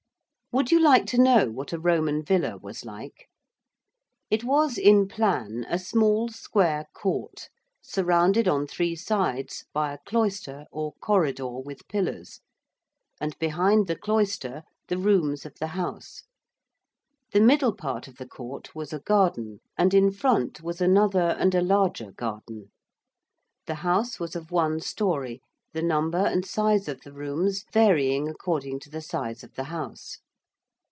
Would you like to know what a Roman villa was like? It was in plan a small, square court, surrounded on three sides by a cloister or corridor with pillars, and behind the cloister the rooms of the house; the middle part of the court was a garden, and in front was another and a larger garden. The house was of one storey, the number and size of the rooms varying according to the size of the house.